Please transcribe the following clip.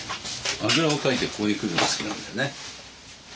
あぐらをかいてここに来るの好きなんだよね。